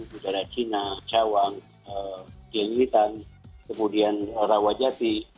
udara cina cawang jelitan kemudian rawajati